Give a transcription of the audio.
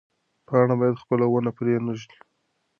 پاڼه باید خپله ونه پرې نه ږدي.